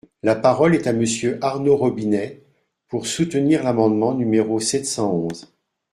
La parole est à Monsieur Arnaud Robinet, pour soutenir l’amendement numéro sept cent onze.